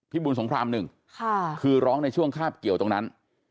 บุญสงครามหนึ่งคือร้องในช่วงคาบเกี่ยวตรงนั้น